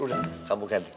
udah kamu ganti